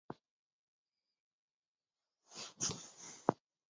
A sɔrə̀ ǹdâ yì ntsɨ̀m ŋ̀kwerə ntɨgə ŋghɛɛ nii tso ŋù a saa nii.